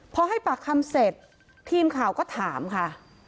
พอให้ปากคำเสร็จทีมข่าวก็ถามค่ะ